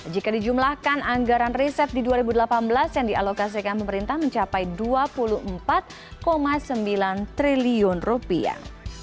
jika dijumlahkan anggaran riset di dua ribu delapan belas yang dialokasikan pemerintah mencapai dua puluh empat sembilan triliun rupiah